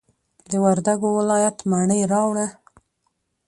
د وردګو ولایت مڼې راوړه.